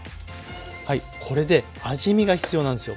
はいこれで味見が必要なんですよ。